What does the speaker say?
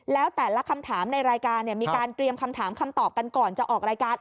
แล้วแต่ละคำถามในรายการมีการเตรียมคำถามคำตอบกันก่อนจะออกรายการ